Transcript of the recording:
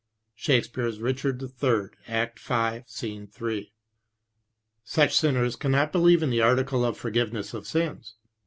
SHAKESPEARE'S Richard III. Act v. Sc. 3. Such sinners cannot believe in the article of the forgiveness of sins.